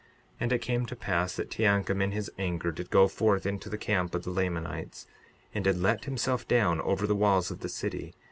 62:36 And it came to pass that Teancum in his anger did go forth into the camp of the Lamanites, and did let himself down over the walls of the city.